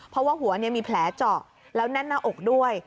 เพราะว่าหัวมีแผลเจาะแล้วแน่นหน้าอกด้วย